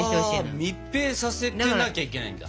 ああ密閉させてなきゃいけないんだ。